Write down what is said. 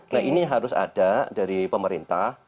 nah ini harus ada dari pemerintah